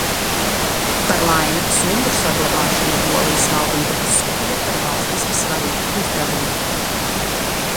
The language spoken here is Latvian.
Par laimi, sumbru saglabāšanu Polijas valdība uzskatīja par valstiski svarīgu uzdevumu.